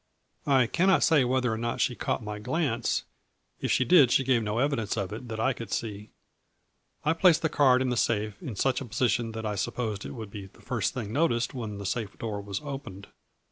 I cannot say whether or not she caught my glance, if she did she gave no evidence of it, that I could see. I placed the card in the safe in such a position that I supposed it would be the first thing noticed when the safe door was opened.